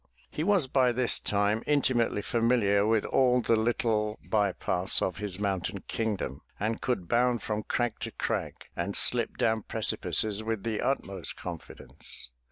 He was by this time intimately familiar with all the little by paths of his mountain kingdom and could bound from crag to crag and slip down precipices with the utmost confidence.